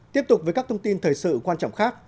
tiếp tục với các thông tin thời sự quan trọng khác